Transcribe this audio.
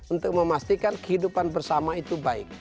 untuk memastikan kehidupan bersama itu baik